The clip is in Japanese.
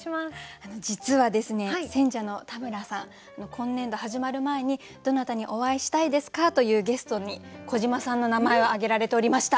今年度始まる前に「どなたにお会いしたいですか？」というゲストに小島さんの名前を挙げられておりました。